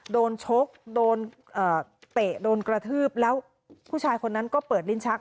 ชกโดนเตะโดนกระทืบแล้วผู้ชายคนนั้นก็เปิดลิ้นชัก